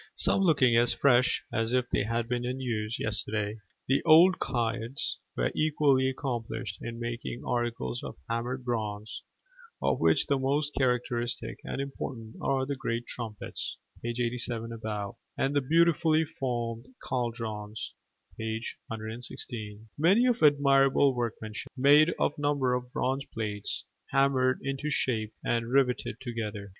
some looking as fresh as if they had been in use yesterday. The old cairds were equally accomplished in making articles of hammered bronze, of which the most characteristic and important are the great trumpets (page 87 above) and the beautifully formed caldrons (page 116) many of admirable workmanship made of a number of bronze plates, hammered into shape and riveted together.